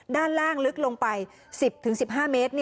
ด้านล่างลึกลงไป๑๐๑๕เมตร